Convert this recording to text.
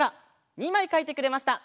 ２まいかいてくれました。